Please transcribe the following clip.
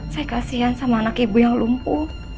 saya kasihan sama anak ibu yang lumpuh